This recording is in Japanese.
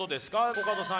コカドさん